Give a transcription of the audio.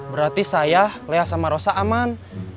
berarti saya leah sama rosa aman